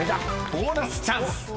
［ボーナスチャンス！］